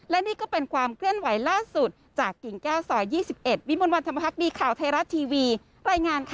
และนี่ก็เป็นความเคลื่อนไหวล่าสุดจากกิ่งแก้วซอย๒๑วิมวลวันธรรมพักดีข่าวไทยรัฐทีวีรายงานค่ะ